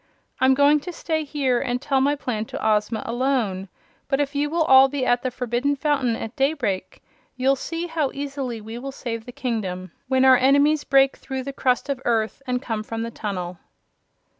I'm going to stay here and tell my plan to Ozma alone, but if you will all be at the Forbidden Fountain at daybreak, you'll see how easily we will save the kingdom when our enemies break through the crust of earth and come from the tunnel."